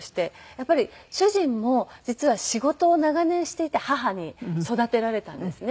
やっぱり主人も実は仕事を長年していた母に育てられたんですね。